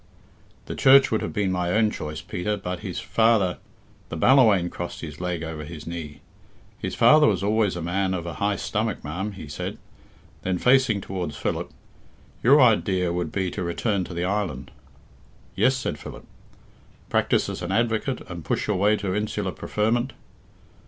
"The church would have been my own choice, Peter, but his father " The Ballawhaine crossed his leg over his knee. "His father was always a man of a high stomach, ma'am," he said. Then facing towards Philip, "Your idea would be to return to the island." "Yes," said Philip. "Practice as an advocate, and push your way to insular preferment?"